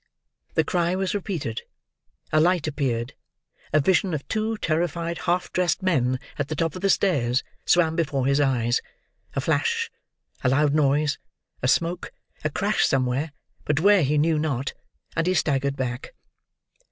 The cry was repeated—a light appeared—a vision of two terrified half dressed men at the top of the stairs swam before his eyes—a flash—a loud noise—a smoke—a crash somewhere, but where he knew not,—and he staggered back.